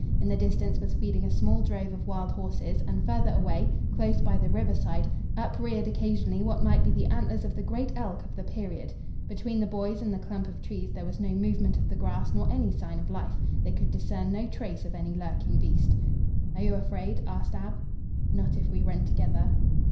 In the distance was feeding a small drove of wild horses and, farther away, close by the river side, upreared occasionally what might be the antlers of the great elk of the period. Between the boys and the clump of trees there was no movement of the grass, nor any sign of life. They could discern no trace of any lurking beast. "Are you afraid?" asked Ab. "Not if we run together."